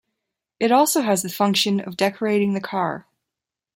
It also has the function of decorating the car.